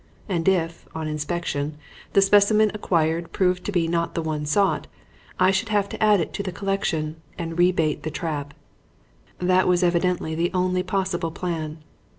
And if, on inspection, the specimen acquired proved to be not the one sought, I should have to add it to the collection and rebait the trap. That was evidently the only possible plan.